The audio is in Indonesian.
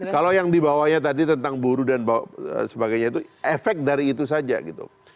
kalau yang dibawanya tadi tentang buruh dan sebagainya itu efek dari itu saja gitu